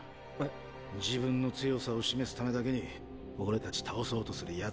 自分の強さを示すためだけに俺たち倒そうとする奴らなんてよ。